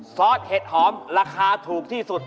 ซอสเห็ดหอมราคาถูกที่สุด